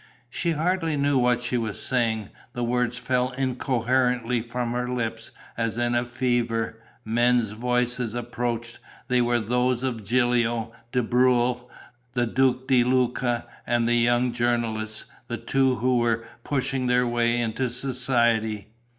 She hardly knew what she was saying. The words fell incoherently from her lips, as in a fever. Men's voices approached. They were those of Gilio, De Breuil, the Duke di Luca and the young journalists, the two who were pushing their way into society.